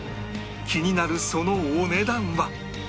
気になるそのお値段は？